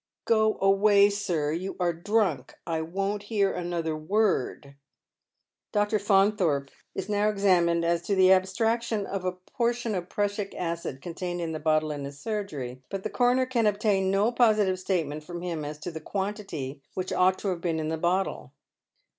" Go away, sir. You are drunk. I won't hear another word." Stephen Trenchard surprises fiia f fiends. 309 Dr. Fauuthorpe is now examined as to the abstraction of a portion of prassic acid contained in the bottle in his surgery, but the coroner can obtain no positive statement from him as to the quantity which ouglit to have been in the bottle.